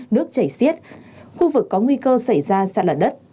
nước chảy xiết khu vực có nguy cơ xảy ra sạt lở đất